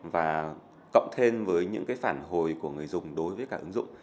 và cộng thêm với những cái phản hồi của người dùng đối với cả ứng dụng